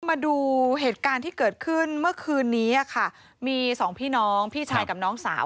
มาดูเหตุการณ์ที่เกิดขึ้นเมื่อคืนนี้ค่ะมีสองพี่น้องพี่ชายกับน้องสาว